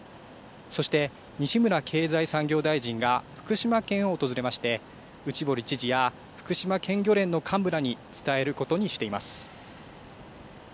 そして西村経済産業大臣が福島県を訪れまして、内堀知事や福島県漁連の幹部らに伝えることにしています。